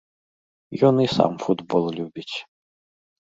Ён і сам футбол любіць.